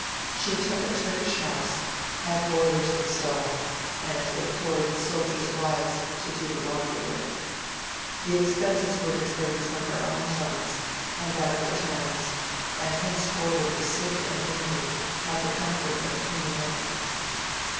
She took a Turkish house, had boilers installed, and employed soldiers' wives to do the laundry work. The expenses were defrayed from her own funds and that of The Times; and henceforward, the sick and wounded had the comfort of clean linen.